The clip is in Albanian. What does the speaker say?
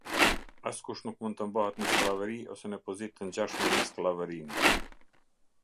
Askush nuk mund të mbahet në skllavëri ose në pozitë të ngjashme me skllavërinë.